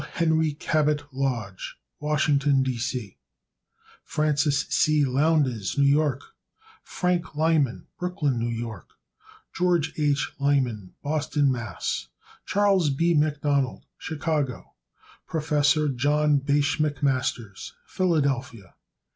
Henry Cabot Lodge, Washington, D. C. Francis C. Lowndes, New York. Frank Lyman, Brooklyn, N. Y. Geo. H. Lyman, Boston, Mass. Chas. B. Macdonald, Chicago, Ill. Prof. John Bache MacMasters, Philadelphia, Pa.